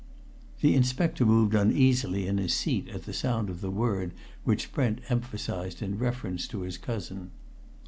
The inspector moved uneasily in his seat at the sound of the word which Brent emphasized in his reference to his cousin.